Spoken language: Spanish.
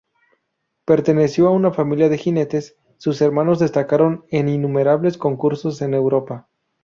Perteneció a una familia de jinetes, sus hermanos destacaron en innumerables concursos en Europa.